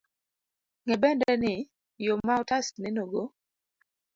Ng'e bende ni, yo ma otas nenogo,